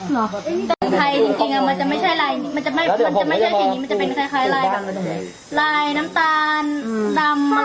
นี่เห็นจริงตอนนี้ต้องซื้อ๖วัน